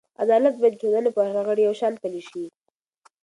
عدالت باید د ټولنې په هر غړي یو شان پلی شي.